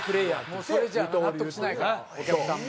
もうそれじゃあ納得しないからお客さんも。